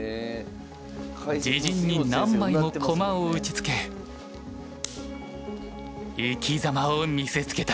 自陣に何枚も駒を打ちつけ生き様を見せつけた。